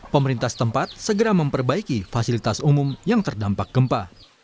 pemerintah setempat segera memperbaiki fasilitas umum yang terdampak gempa